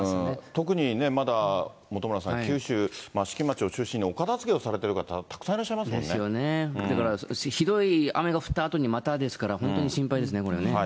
特にまだ本村さん、九州・益城町を中心にお片づけをされてる方、たくさんいらっしゃですよね、ひどい雨が降ったあとにまたですから、本当に心配ですね、これはね。